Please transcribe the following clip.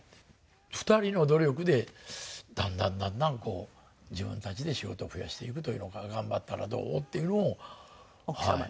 ２人の努力でだんだんだんだんこう自分たちで仕事を増やしていくというのを「頑張ったらどう？」っていうのをはい。